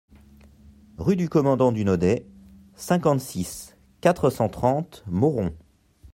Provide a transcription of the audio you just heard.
Rue du Commandant du Noday, cinquante-six, quatre cent trente Mauron